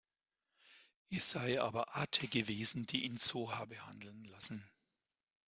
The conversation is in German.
Es sei aber Ate gewesen, die ihn so habe handeln lassen.